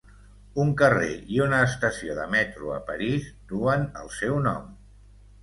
Un carrer i una estació de metro a París duen el seu nom.